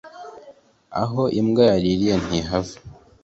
aho imbwa yaririye ntihava